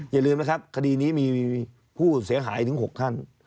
อย่าลืมนะครับคดีนี้มีผู้เสียหายถึง๖ท่าน